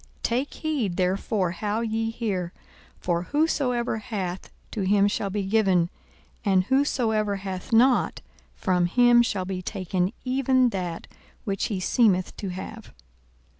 42:008:018 Take heed therefore how ye hear: for whosoever hath, to him shall be given; and whosoever hath not, from him shall be taken even that which he seemeth to have.